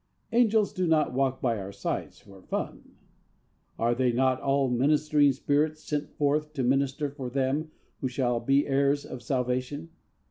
Angels do not walk by our sides for fun. 'Are they not all ministering spirits, sent forth to minister for them who shall be heirs of salvation?'